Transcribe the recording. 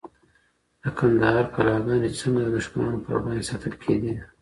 د کندهار کلاګانې څنګه د دښمنانو پر وړاندي ساتل کېدې؟